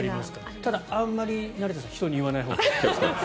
ただ、あまり成田さん人に言わないほうがいい。